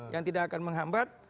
yang tidak akan menghambat